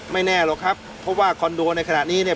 ไม่แน่หรอกครับเพราะว่าคอนโดในขณะนี้เนี่ย